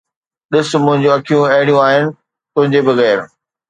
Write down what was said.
ڏس، منهنجون اکيون اهڙيون آهن، تنهنجي بغير.